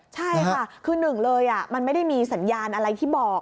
ใช่ค่ะคือหนึ่งเลยมันไม่ได้มีสัญญาณอะไรที่บอก